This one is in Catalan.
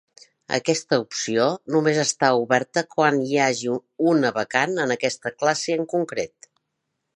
Aquesta opció només està oberta quan hi hagi una vacant en aquesta classe en concret.